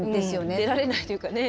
出られないというかね。